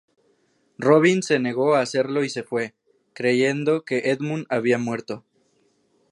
Robin se negó a hacerlo y se fue, creyendo que Edmund había muerto.